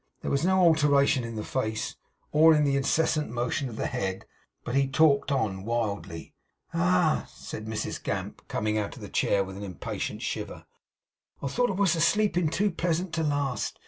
There was no alteration in the face, or in the incessant motion of the head, but he talked on wildly. 'Ah!' said Mrs Gamp, coming out of the chair with an impatient shiver; 'I thought I was a sleepin' too pleasant to last!